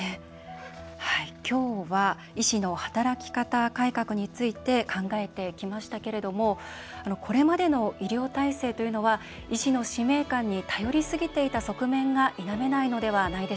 今日は医師の働き方改革について考えてきましたけれどもこれまでの医療体制というのは医師の使命感に頼りすぎていた側面が否めないのではないでしょうか。